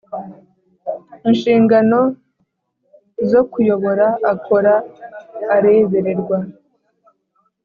Inshingano zo kuyobora akora arebererwa